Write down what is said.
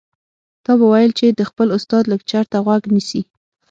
تا به ويل چې د خپل استاد لکچر ته غوږ نیسي.